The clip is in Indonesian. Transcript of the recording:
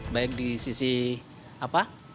baik di sisi apa